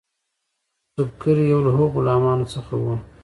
سُبکري یو له هغو غلامانو څخه وو.